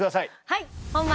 はい！